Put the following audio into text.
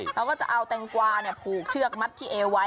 เขาก็จะเอาแตงกวาผูกเชือกมัดที่เอวไว้